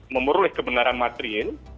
memerulih kebenaran materi